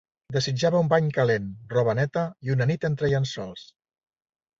Desitjava un bany calent, roba neta i una nit entre llençols